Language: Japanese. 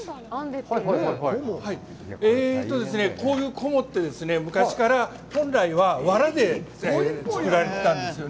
こういう菰って昔から本来はわらで作られてたんですよね。